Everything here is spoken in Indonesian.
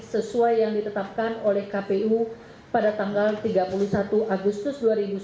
sesuai yang ditetapkan oleh kpu pada tanggal tiga puluh satu agustus dua ribu sembilan belas